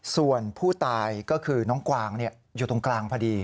ส่วนผู้ตายก็คือน้องกวางอยู่ตรงกลางพอดี